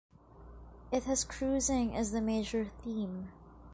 It has cruising as the major theme.